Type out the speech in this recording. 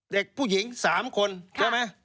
เด็กผู้หญิง๓คนใช่ไหม